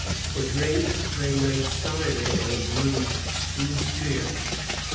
For drink, they made cider or brewed spruce beer.